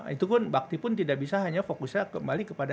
itu pun bakti pun tidak bisa hanya fokusnya kembali kepada